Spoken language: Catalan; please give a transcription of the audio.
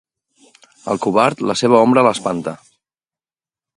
Al covard, la seva ombra l'espanta.